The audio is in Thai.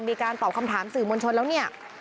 มีการตอบคำถามสื่อมวลชนแล้วเนี่ย